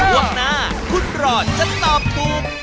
บวกหน้าคุณหลอดจะตอบปลูก